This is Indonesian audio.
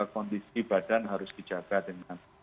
kondisi badan harus dijaga dengan